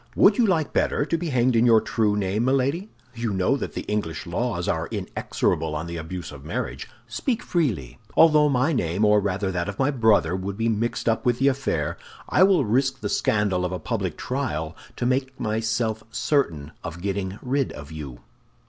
"Would you like better to be hanged in your true name, Milady? You know that the English laws are inexorable on the abuse of marriage. Speak freely. Although my name, or rather that of my brother, would be mixed up with the affair, I will risk the scandal of a public trial to make myself certain of getting rid of you."